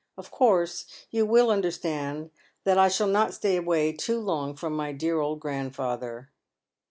Of course you will understand that I shall not stay too long away fi'om my <lear old grandfather.